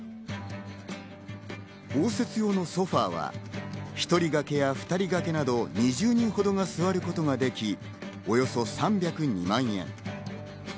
応接用のソファは１人がけや２人がけなど、２０人ほどが座ることができ、およそ３０２万円。